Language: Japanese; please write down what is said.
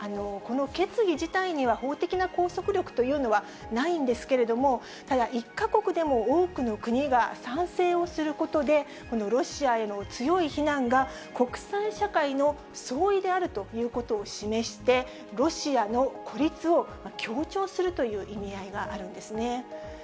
この決議自体には法的な拘束力というのはないんですけれども、ただ、１か国でも多くの国が賛成をすることで、このロシアへの強い非難が国際社会の総意であるということを示して、ロシアの孤立を強調するという意味合いがあるんですね。